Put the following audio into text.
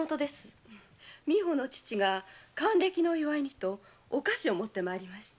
美保の父が還歴の祝いにとお菓子を持って参りました。